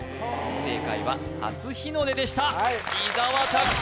正解は初日の出でした伊沢拓司